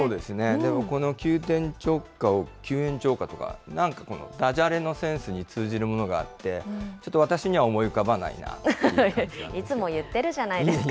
でもこの急転直下を急円超下とか、なんかダジャレのセンスに通じるものがあって、ちょっと私には思い浮かばないなって感じなんですが。